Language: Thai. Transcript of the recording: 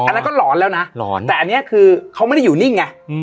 อันนั้นก็หลอนแล้วนะหลอนแต่อันนี้คือเขาไม่ได้อยู่นิ่งไง